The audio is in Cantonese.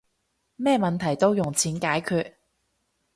咩問題都用錢解決